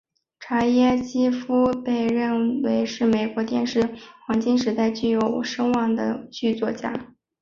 查耶夫斯基被认为是美国电视黄金时代最具声望的剧作家。